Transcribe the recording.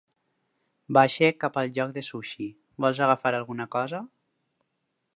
Baixo cap al lloc de sushi, vols agafar alguna cosa?